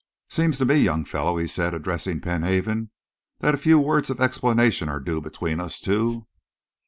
"Seems to me, young fellow," he said, addressing Penhaven, "that a few words of explanation are due between us two."